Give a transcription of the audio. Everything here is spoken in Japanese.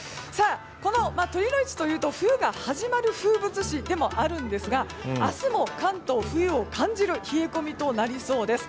酉の市というと冬が始まる風物詩でもありますが明日も関東、冬を感じる冷え込みとなりそうです。